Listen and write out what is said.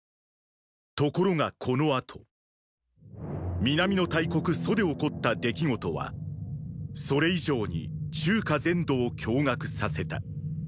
ところがこの後ーー南の大国「楚」で起こった出来事はそれ以上に中華全土を驚愕させた。